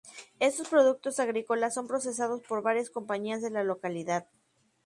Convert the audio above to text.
Estos productos agrícolas son procesados por varias compañías de la localidad.